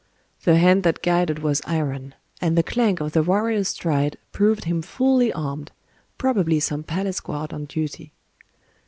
The hand that guided was iron; and the clank of the warrior's stride proved him fully armed,—probably some palace guard on duty.